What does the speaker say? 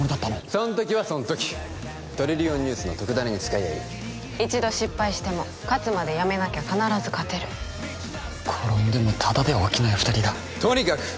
その時はその時トリリオンニュースの特ダネに使えやいい一度失敗しても勝つまでやめなきゃ必ず勝てる転んでもただでは起きない二人だとにかく！